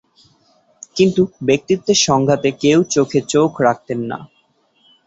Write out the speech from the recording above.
কিন্তু, ব্যক্তিত্বের সংঘাতে কেউ চোখে চোখ রাখতেন না।